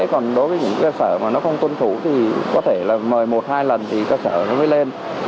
còn đối với những cơ sở mà nó không tuân thủ thì có thể là một mươi một hai lần thì cơ sở nó mới lên